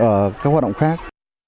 ở các hoạt động khác